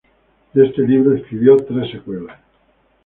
De este libro escribió tres secuelas.